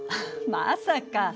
まさか。